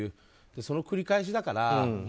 その繰り返しだから。